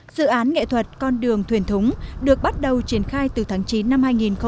dự án nghệ thuật con đường thuyền thúng được bắt đầu triển khai từ tháng chín năm hai nghìn một mươi